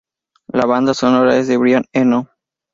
La banda sonora es de Brian Eno.